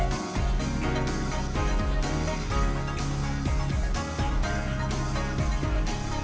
demikian indonesia forward pada malam hari ini